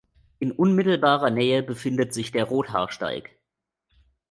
In unmittelbarer Nähe befindet sich der Rothaarsteig.